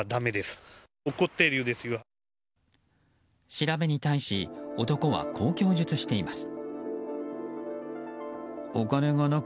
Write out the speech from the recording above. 調べに対し男はこう供述しています。